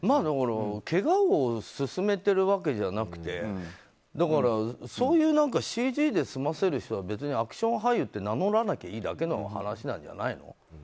だから、けがを勧めてるわけじゃなくてそういうＣＧで済ませる人はアクション俳優って名乗らなきゃいいだけの話なんじゃないの？